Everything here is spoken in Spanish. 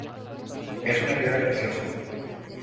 Es una piedra preciosa.